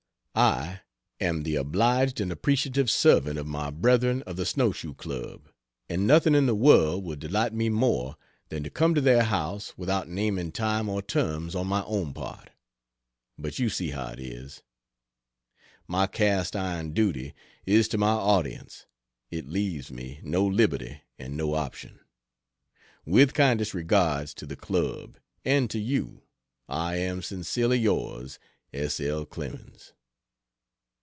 I am the obliged and appreciative servant of my brethren of the Snow shoe Club, and nothing in the world would delight me more than to come to their house without naming time or terms on my own part but you see how it is. My cast iron duty is to my audience it leaves me no liberty and no option. With kindest regards to the Club, and to you, I am Sincerely yours S. L. CLEMENS.